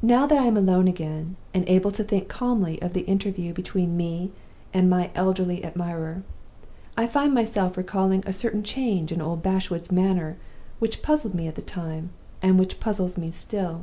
"Now that I am alone again, and able to think calmly of the interview between me and my elderly admirer, I find myself recalling a certain change in old Bashwood's manner which puzzled me at the time, and which puzzles me still.